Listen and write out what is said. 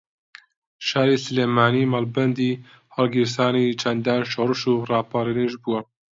شاری سلێمانی مەڵبەندی ھەڵگیرسانی چەندان شۆڕش و ڕاپەڕینیش بووە